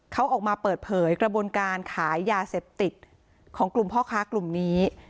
เขาออกมาเปิดเผยกระบวนการขายยาเสพติดของกลุ่มพ่อค้ากลุ่มนี้